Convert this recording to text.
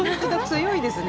強いですね。